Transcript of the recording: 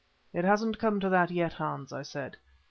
"It hasn't come to that yet, Hans," I said.